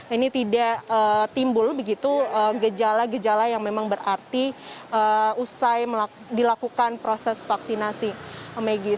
ini tidak timbul begitu gejala gejala yang memang berarti usai dilakukan proses vaksinasi maggie